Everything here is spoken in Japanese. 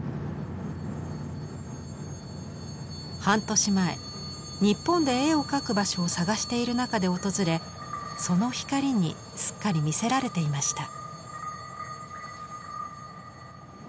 半年前日本で絵を描く場所を探している中で訪れその光にすっかり魅せられていました。